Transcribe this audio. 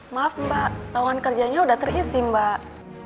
maaf mbak lawan kerjanya udah terisi mbak